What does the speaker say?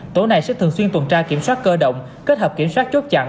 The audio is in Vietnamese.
tổ này sẽ thường xuyên tuần tra kiểm soát cơ động kết hợp kiểm soát chốt chặn